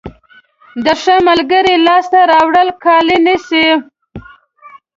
د ښه ملګري لاسته راوړل کال نیسي.